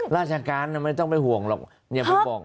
ราชการไม่ต้องไปห่วงหรอก